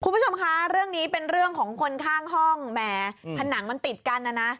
คุณผู้ชมคะเรื่องนี้เป็นเรื่องของคนข้างห้องแหมผนังมันติดกันนะนะ